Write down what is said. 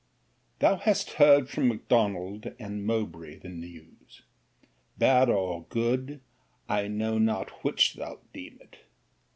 Thou hast heard from M'Donald and Mowbray the news. Bad or good, I know not which thou'lt deem it.